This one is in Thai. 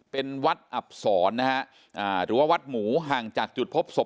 เป็นวัดอับศรนะฮะหรือว่าวัดหมูห่างจากจุดพบศพ